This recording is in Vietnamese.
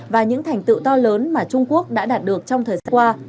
và những thành tựu to lớn mà trung quốc đã đạt được trong thời gian qua